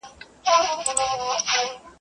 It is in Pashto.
د پيشي چي نفس تنگ سي، د زمري جنگ کوي.